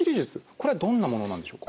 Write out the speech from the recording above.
これはどんなものなんでしょうか？